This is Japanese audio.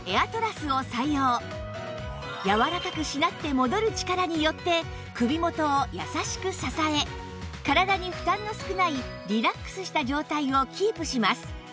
柔らかくしなって戻る力によって首元を優しく支え体に負担の少ないリラックスした状態をキープします